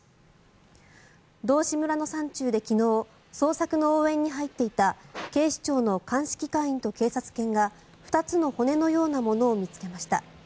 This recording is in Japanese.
道志村の山中で昨日捜索の応援に入っていた警視庁の鑑識課員と警察犬が２つの骨のようなものを見つけました。